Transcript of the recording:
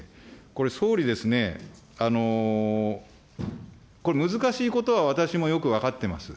これ、総理ですね、これ、難しいことは私もよく分かってます。